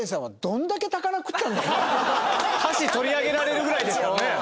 あの箸取り上げられるぐらいですからね。